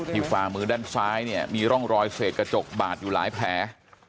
ฝ่ามือด้านซ้ายเนี่ยมีร่องรอยเศษกระจกบาดอยู่หลายแผล